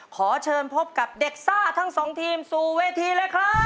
ขอเชิญพบกับเด็กซ่าทั้งสองทีมสู่เวทีเลยครับ